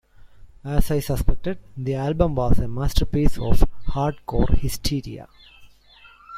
As I suspected, the album was a masterpiece of hardcore hysteria.